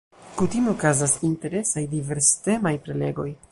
Kutime okazas interesaj, diverstemaj prelegoj.